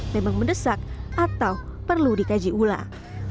memang mendesak atau perlu dikaji ulang